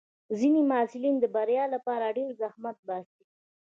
ځینې محصلین د بریا لپاره ډېر زحمت باسي.